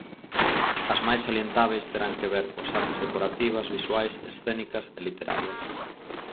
As máis salientábeis terán que ver coas artes decorativas, visuais, escénicas e literarias.